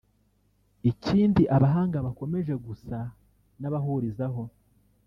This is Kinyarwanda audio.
Ikindi abahanga bakomeje gusa n’abahurizaho